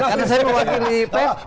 karena saya mewakili pers